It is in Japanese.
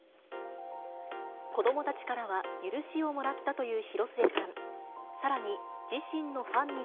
子どもたちからは許しをもらったという広末さん。